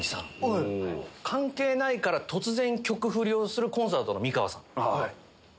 関係ないから突然曲ふりをするコンサートの美川さん。